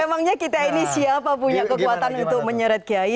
emangnya kita ini siapa punya kekuatan untuk menyeret kiai